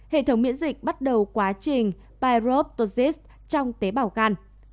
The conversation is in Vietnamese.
hệ thống miễn dịch bắt đầu quá trình paroptosis trong tế bảo gan